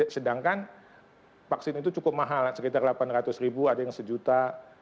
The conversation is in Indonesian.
sedangkan vaksin itu cukup mahal sekitar delapan ratus ribu ada yang sejuta